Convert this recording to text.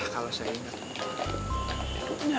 kalau saya ingat